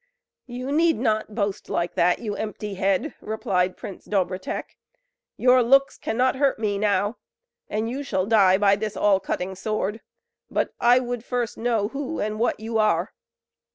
"You need not boast like that, you empty head!" replied Prince Dobrotek. "Your looks cannot hurt me now; and you shall die by this All Cutting Sword! But I would first know who, and what you are."